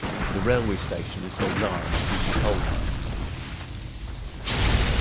The railway station is so large due to coal mines.